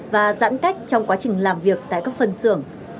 và giãn cách trong quá trình làm việc tại các phân xưởng